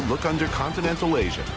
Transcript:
lihat di kontinental asia